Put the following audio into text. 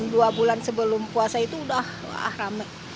dua bulan sebelum puasa itu sudah rame